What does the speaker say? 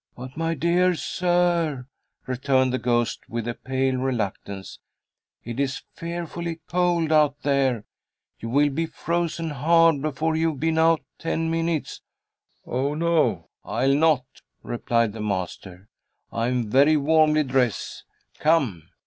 "But, my dear sir," returned the ghost, with a pale reluctance, "it is fearfully cold out there. You will be frozen hard before you've been out ten minutes." "Oh no, I'll not," replied the master. "I am very warmly dressed. Come!"